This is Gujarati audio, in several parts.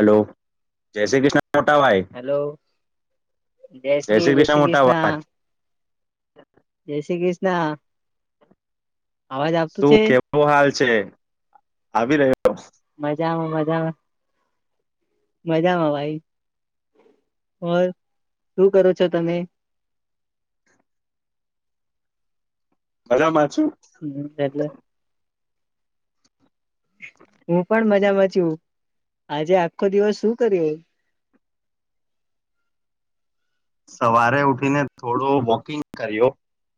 હલો જય શ્રી કૃષ્ણ. મોટા ભાઈ હેલો જય શ્રી જય શ્રી કૃષ્ણ જય શ્રી કૃષ્ણ ના. શું કેવો હાલ છે આવી રહ્યો. મજામાં મજામાં. મજામાં ભાઈ ઓર શું કરો છો તમે? [unintelligible] [unintelligible] હું પણ મજા મજામાં છું આજે આખો દિવસ શું કર્યું? સવારે ઉઠીને થોડો વોકિંગ કર્યો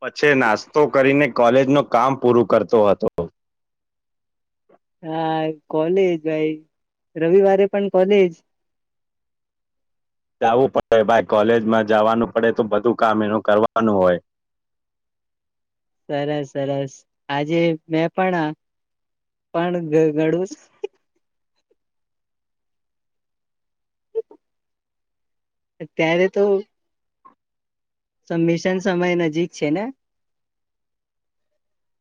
પછી નાસ્તો કરીને કોલેજનું કામ પૂરું કરતો હતો. હા કોલેજ ભાઈ રવિવારે પણ કોલેજ જાવું પડે ભાઈ કોલેજમાં જાવાનું પડે તો બધું કામ એનું કરવાનું હોય. સરસ સરસ આજે મેં પણ પણ ગ ઘણું અત્યારે તો સમમિશન સમય નજીક છે ને?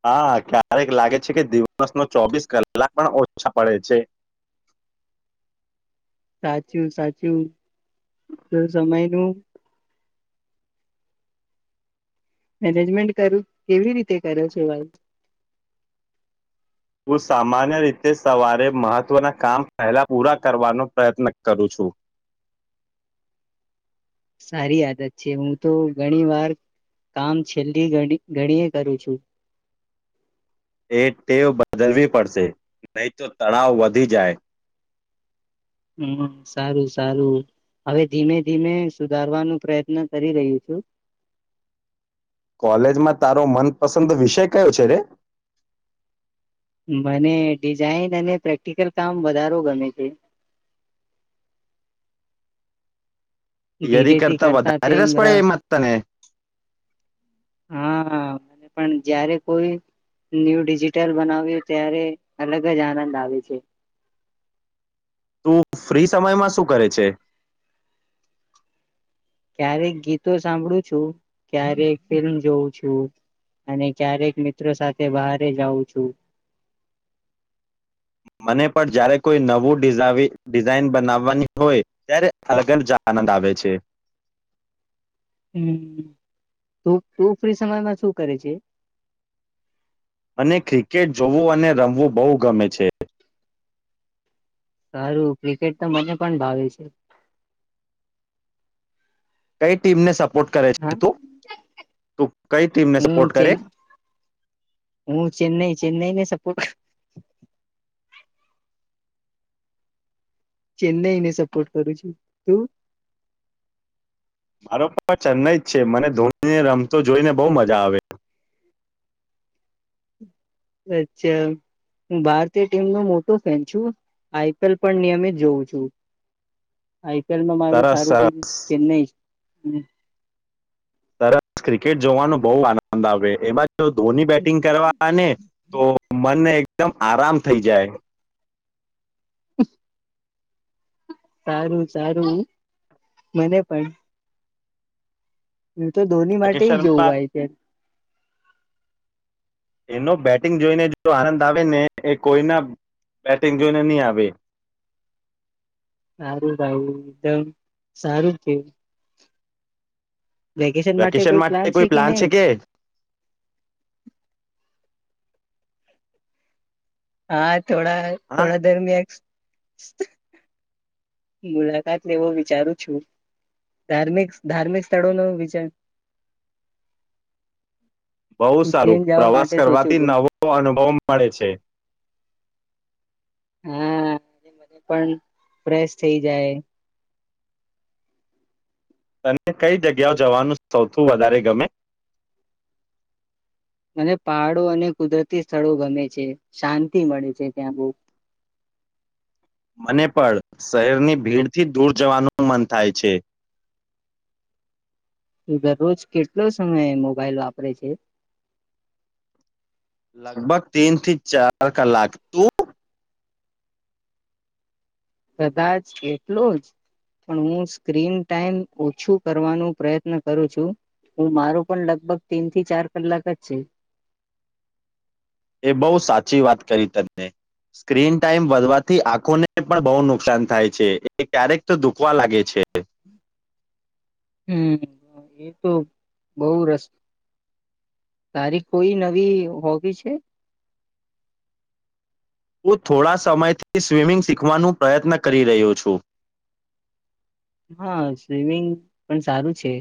હા ક્યારેક લાગે છે કે દિવસનો ચોવીસ કલાક પણ ઓછા પડે છે. સાચું સાચું તો સમય નું? મેનેજમેન્ટ કરું કેવી રીતે? તે કર્યો છે ભાઈ. હું સામાન્ય રીતે સવારે મહત્વના કામ પહેલા પૂરા કરવાનો પ્રયત્ન કરું છું. સારી આદત છે હું તો ઘણી વાર કામ છેલ્લી ઘણી ઘણીએ કરું છું. એ ટેવ બદલવી પડશે નહીં તો તણાવ વધી જાય. હમ્મ સારું સારું હવે ધીમે ધીમે સુધારવાનું પ્રયત્ન કરી રહ્યું છું. કોલેજમાં તારો મનપસંદ વિષય કયો છે રે મને ડિઝાઈન અને પ્રેક્ટિકલ કામ વધારો ગમે છે થિયરી ધીરેથી કરતા વધારે તેમ રસ ર પડે એમાં તને હા પણ જયારે કોઈ ન્યૂ ડિજિટલ બનાવ્યું ત્યારે અલગ જ આનંદ આવે છે તું ફ્રી સમયમાં શું કરે છે ક્યારેક ગીતો સાંભળું છું ક્યારેક ફિલ્મ જોઉું છું અને ક્યારેક મિત્રો સાથે બહારે જાઉં છું મને પણ જ્યારે કોઈ નવું ડિઝાઇન બનાવવાની હોય ત્યારે અલગલ જ આનંદ આવે છે હમ્મ તું ફ્રી સમયમાં શું કરે છે? અને ક્રિકેટ જોવું અને રમવું બહુ ગમે છે સારું ક્રિકેટ તો મને પણ ભાવે છે, કઈ ટીમને સપ કરે હા છે ત તું કઈ ટીમને હું સપોર્ટ ચે કરે? હું ચેન્નઈ [inaudible] ચેન્નઈને સપોર્ટ કરું છું તું મારો પણ ચેન્નઈ જ છે મને ધોનીને રમતો જોઈને બહ મજા આવે અચ્છા હું ભારતીય ટીમ નો મોટો ફેન છું, આઈપીએલ પણ નિયમિત જોઉં છું. આઈપીએલમાં મારું સરસ સારું ટીમ સરસ ચેન્નાઈ [inaudible] સરસ ક્રિકેટ જોવાનો બહુ આનંદ આવે એમાં ધોની બેટિંગ કરવા ને તો મન એકદમ આરામ થઇ જાય [inaudible] સારું સારું મને પણ હું તો ધોની રાકેશ માટે જોવું શર્મા હોય છે, એનો બેટિંગ જોઈને જો આનંદ આવે ને એ કોઈના બેટિંગ જોઈને નહી, આવે સારું ભાઈ એકદમ સારું થય વેકેશન માટે કોઈ પ્લાન છે કે આા થોડા હા થોડા દરમિયાક [inaudible] મુલાકાત લેવો વિચારું છું, ધાર્મિક ધાર્મિક સ્થળો નો વિચાર બહુ સારું ઉજ્જૈન જવા પ્રવાસ માટે સોચ્યું કરવાથી છું નવો અનુભવ મળે છે, હા મને પણ ફેશ થઈ જાય તને કઈ જગ્યાઓ જવાનું સૌથીું વધારે ગમે? મને પહાડો અને કુદરતી સ્થળો ગમે છે શાંતિ મળે છે ત્યાં બહ અને પણ શહેરની ભીડથી દૂર જવાનું મન થાય છે, દરરોજ કેટલો સમય મોબાઈલ વાપરે છે લગભગ તીન થી ચાર કલાક તું? કદાચ એટલો જ પણ હું સ્ક્રીન ટાઈમ ઓછું કરવાનો પ્રયત્ન કરું છું, હું મારો પણ લગભગ તીન થી ચાર કલાક જ છે. એ બહુ સાચી વાત કરી તમને સ્ક્રીન ટાઈમ વધવાથી આંખોને પણ બહુ નુકસાન થાય છે, એ ક્યારેક તો દુખવા લાગે છે, હમ એ તો બહ રસ તારી કોઈ નવી હોબી છે હું થોડા સમયથી સ્વિમિંગ શીખવાનો પ્રયત્ન કરી રહ્યો છું. હા સ્વિમિંગ પણ સારું છે.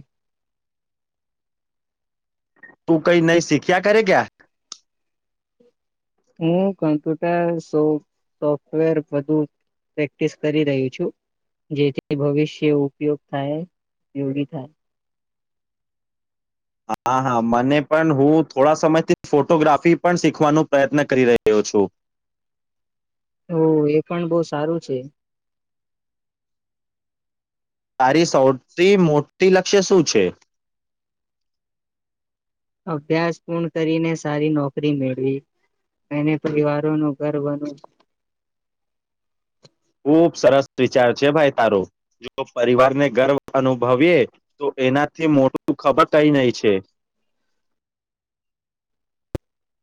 તું કઈ નઈ શીખ્યા કરે ક્યા હું કમ્પ્યુટર સોફ્ટવેર વધુ પ્રેક્ટિસ કરી રહહી છું જેથી ભવિષ્ય ઉપયોગ થાયયોગ થાય હા હા મને પણ હું થોડા સમયથી ફોટોગ્રાફી પણ શીખવાનો પ્રયત્ન કરી રહ્યો છું. તો એ પણ બહુ સારું છે. તારી સૌથી મોટી લક્ષ્ય શું છે. અભ્યાસ પૂર્ણ કરીને સારી નોકરી મેળવી અનેને પરિવારો નુ ઘર બનવ ખૂબ સરસ વિચાર છે ભાઈ તારો જો પરિવારને ગર્વ અનુભવીએ તો એનાથી મોટું ખબર કઈ નહી છે.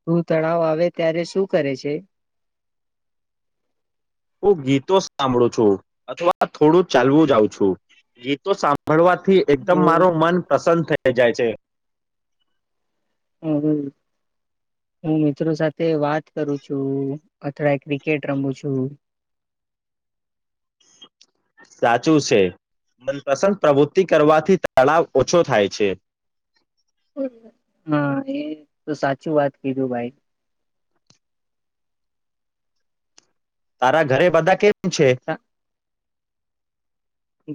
તું તણાવ આવે ત્યારે શું કરે છે. હું ગીતો સાંભળું છું અથવા થોડું ચાલવું જાઉ છું ગીતો સાંભળવા થી એકદમ હું મારો મન પ્રસન્ન થઈ જાય. જે હ હું મિત્રો સાથે વાત કરું છું, અથવા ક્રિકેટ રમું છું. સાચું છે મનપસંદ પ્રવૃત્તિ કરવાથી તળાવ ઓછો થાય છે. હા એ તો સાચું વાત કીધું ભાઈ તારા ઘરે બધા કેમ છે.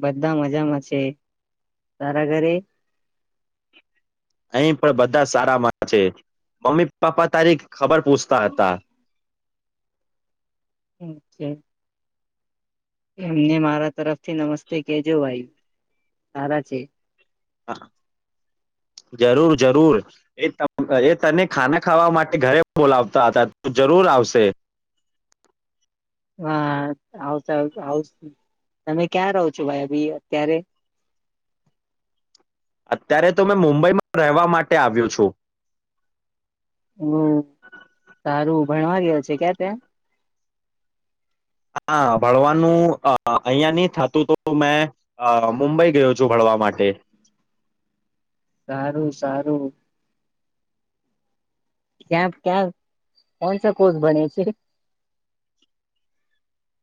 બધા મજામાં છે તારા ઘરે અહી પણ બધા સારા મા છે મમ્મી પપ્પા તારી ખબર પૂછતા હતા હમ છે. એમને મારા તરફથી નમસ્તે કેજો ભાઈ સારા છે. હા જરૂર જરૂર એ એ તને ખાના ખાવા માટે ઘરે બોલાવતા હતા ત જરૂર આવશે હા આવતા આવ તમે ક્યાં રહો છો ભાઈ અભી અત્યારે અત્યારે તો મેં મુંબઈમાં રહેવા માટે આવ્યું છું. હમ સારું ભણવા ગયા છે ક્યા ત્યાં હા ભણવાનું અ અહિયાંયા નહી થતું તો મેં અ મુંબઈ ગયો છું ભણવા માટે સારું સારું ક્યા ક્યાં કોણસા કોષ બને છે.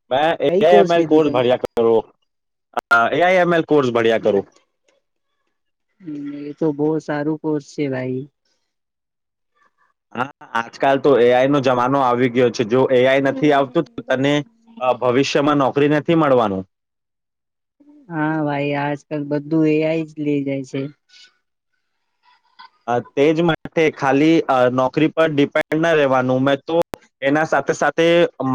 મે કઈ એઆઈમલ કોર્સ લીધું ભણ્યા કરો એઆઈએમલ કોર્સ ભણ્યા તમે કરો એ તો બહુ સારું કોર્સ છે ભાઈ હા આજકાલ તો એ આઈ નો જમાનો આવી ગયો જો એ આઈ નથી આવતું તને ભવિષ્યમાં નોક નોકરી નથી મળવાનું. હા ભાઈ આજકાલ બધું એ આઈ જ લે જાય છે. તેજ માટે ખાલી નોકરી પર ડિપેન્ડ ના રહેવાનું મેં તો એના સાથે સાથે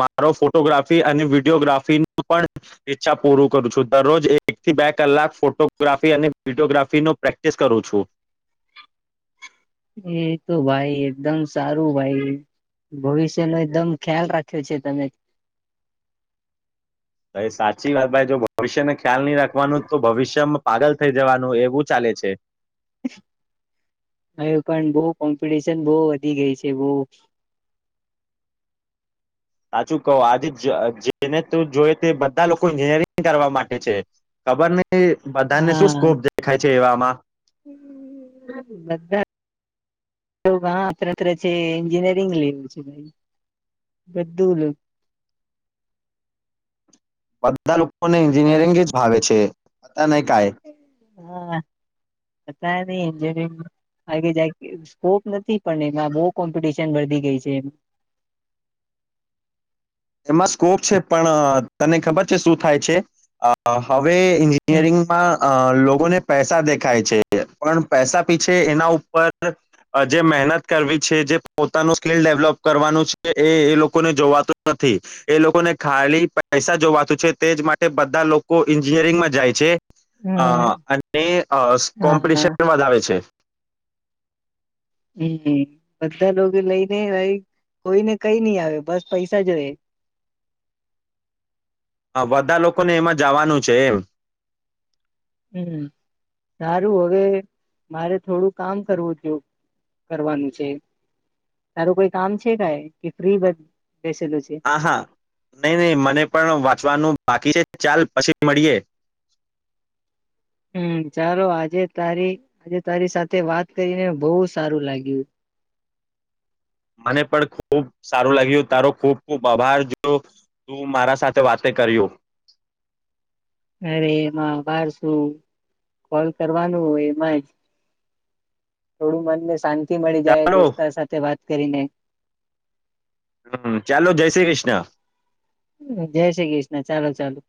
મારો ફોટોગ્રાફી અને વિડીયોગ્રાફીનું પણ ઈચ્છા પૂરું કરું છું દરરોજ એક થી બે કલાક ફોટોગ્રાફી અને વિડીયોગ્રાફીનો પ્રેક્ટિસ કરું છું. એ તો ભાઈ એકદમ સારું ભાઈ ભવિષ્યનો એકદમ ખ્યાલ રાખ્યો છે તમે એ સાચી વાત ભાઈ જો ભવિષ્યને ખ્યાલ નહી રાખવાનું તો ભવિષ્યમાં પાગલ થઈ જવાનું એવું ચાલે છે. હ પણ બહુ કોમ્પિટિશન બહુ વધી ગઈ છે બહુ સાચું કહો આજે જેને તો જોઈ તે બધા લોકો એન્જિનિયરિંગ કરવા માટે છે ખબર નહીં બધાને શું હા સ્કોપ દેખાય છે. કેવામાં બધા હ [unintelligible] ત ત છે એન્જિનિયરિંગ લેવું છે ભાઈ બધું બધા લોકોને એન્જિનિયરિંગ જ ભાવે છે. એ નહી કાય હા અતારે [unintelligible] સ્કોપ નથી પણ એમાં બવ કોમ્પિટિશન વધી ગઈ છે. એમાં સ્કોપ છે પણ તને ખબર છે શું થાય છે [inaudible] હવે હમ એન્જિનિયરિંગમાં અ લોકોને પેસ પસા દેખાય છે પણ પૈસા પીછે એના ઉપર જે મહેનત કરવી છે જે પોતાનું સ્કીલ ડેવલોપ કરવાનું છે એ એ લોકોને જોવાતું નથી. એ લોકોને ખાલી પૈસા જોવાતું છે તેજ માટે બધા લોકો એન્જિનિયરિંગમાં જાય છે. હા અ અને અ હા કોમ્પિટિશન વધાવે છે. હમ્મ, બધા લોકો લઈને કોઈને કઈ ની આવે બસ પૈસા જોવે. હા બધા લોકોને એમાં જવાનું છે એમ. હમ્મ, સારું હવે મારે થોડું કામ કરવું જો કરવાનું છે સારું કોઈ કામ છે કઈ કે ફ્રી બ હા હા નહી નહી મને પણ વાંચવાનું બાકી છે. ચાલ પછી મળીએે. હમ્મ, ચાલો આજે તારી આજે તારી સાથે વાત કરીને બહુ સારું લાગ્યું. મને પણ ખુબ સારું લાગ્યું. તારો ખૂબ ખૂબ આભાર જો તું મારા સાથે વાતે કર્યું. અરે એમાં બાર શું કોલ કરવાનું હોય એમાં જ થોડું મનને શાંત તી મળી જાય ચાલો દોસ્તા સાથે વાત કરીને. હમ્મ, ચાલો જય શ્રી કૃષ્ણ. જય શ્રી કૃષ્ણ, ચાલો ચાલો.